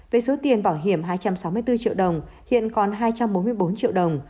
với số tiền bảo hiểm hai trăm sáu mươi bốn triệu đồng hiện còn hai trăm bốn mươi bốn triệu đồng